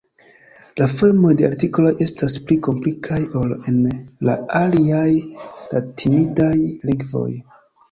La formoj de artikoloj estas pli komplikaj ol en la aliaj latinidaj lingvoj.